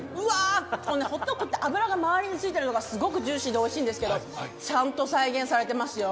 ホットクって油が周りについてるのがすごくジューシーでおいしいんですけどちゃんと再現されていますよ。